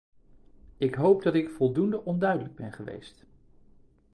Ik hoop dat ik voldoende onduidelijk ben geweest!